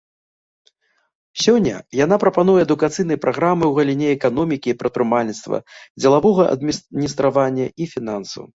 Сёння яна прапануе адукацыйныя праграмы ў галіне эканомікі і прадпрымальніцтва, дзелавога адміністравання і фінансаў.